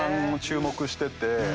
注目してて。